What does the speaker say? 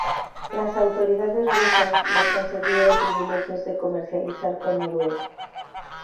Las autoridades rusas les concedieron privilegios de comercializar con Noruega.